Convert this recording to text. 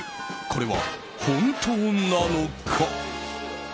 これは本当なのか？